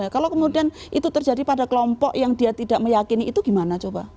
kalau kemudian itu terjadi pada kelompok yang dia tidak meyakini itu gimana coba